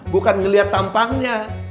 bukan ngeliat tampangnya